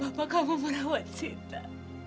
bapak kamu merawat sita